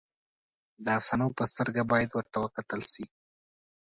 د افسانو په سترګه باید ورته وکتل شي.